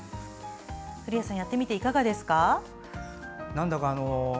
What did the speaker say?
古谷さんやってみて、いかがですか？